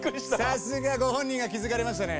さすがご本人が気付かれましたね。